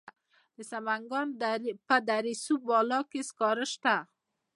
د سمنګان په دره صوف بالا کې سکاره شته.